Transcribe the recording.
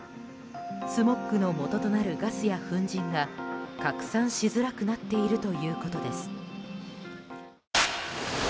スモッグのもととなるガスや粉じんが拡散しづらくなっているということです。